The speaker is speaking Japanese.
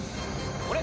あれ？